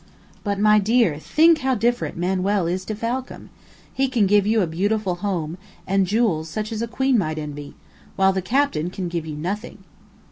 "But, my dear, think how different Manuel is to Falcam! He can give you a beautiful home, and jewels such as a queen might envy, while the captain can give you nothing."